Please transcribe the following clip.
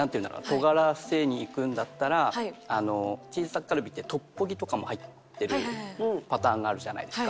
トガらせにいくんだったらあのチーズタッカルビってトッポギとかも入ってるパターンがあるじゃないですか。